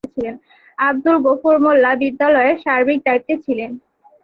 আব্দুল গফুর মোল্লা বিদ্যালয়ের সার্বিক দায়িত্বে ছিলেন।